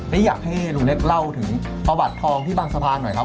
และอยากให้ลุงเล็กเล่าถึงประวัติทองที่บางสะพานหน่อยครับ